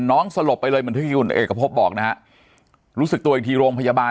สลบไปเลยเหมือนที่คุณเอกพบบอกนะฮะรู้สึกตัวอีกทีโรงพยาบาล